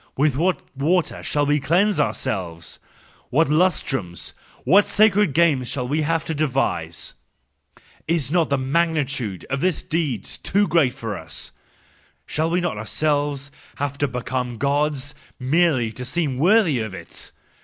With what water could we cleanse ourselves ? What lustrums, what sacred games shall we have to devise? Is not the magnitude of this deed too great for us ? Shall we not ourselves have to become Gods, merely to seem worthy of it